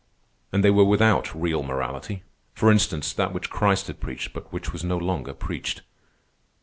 And they were without real morality—for instance, that which Christ had preached but which was no longer preached.